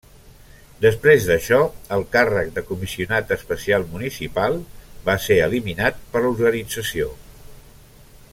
Després d'això, el càrrec de Comissionat Especial Municipal va ser eliminat per l'organització.